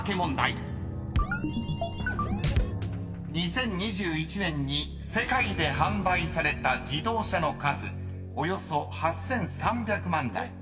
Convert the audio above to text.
［２０２１年に世界で販売された自動車の数およそ８，３００万台］